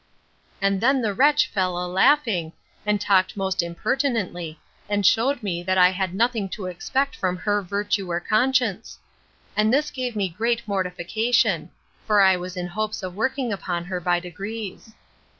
And then the wretch fell a laughing, and talked most impertinently, and shewed me, that I had nothing to expect from her virtue or conscience: and this gave me great mortification; for I was in hopes of working upon her by degrees.